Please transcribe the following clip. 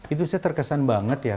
itu saya terkesan banget ya